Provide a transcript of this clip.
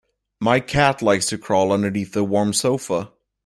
My cat likes to crawl underneath the warm sofa.